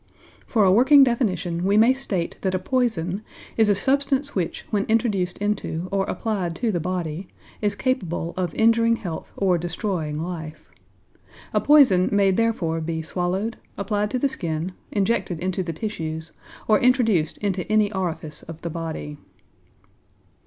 For a working definition we may state that a poison is a substance which, when introduced into or applied to the body, is capable of injuring health or destroying life. A poison may therefore be swallowed, applied to the skin, injected into the tissues, or introduced into any orifice of the body.